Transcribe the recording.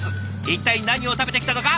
一体何を食べてきたのか